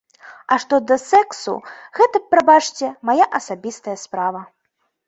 А што да сэксу, гэта, прабачце, мая асабістая справа.